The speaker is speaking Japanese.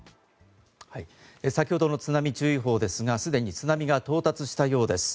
先ほどの津波注意報ですが既に津波が到達したようです。